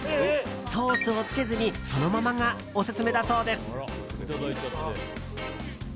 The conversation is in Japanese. ソースをつけずにそのままがオススメだそうです。